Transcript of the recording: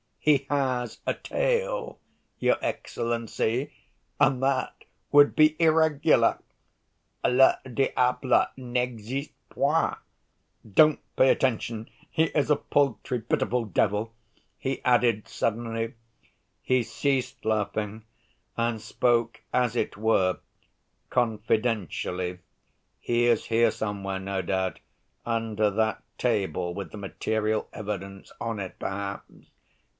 "He has a tail, your excellency, and that would be irregular! Le diable n'existe point! Don't pay attention: he is a paltry, pitiful devil," he added suddenly. He ceased laughing and spoke as it were, confidentially. "He is here somewhere, no doubt—under that table with the material evidence on it, perhaps.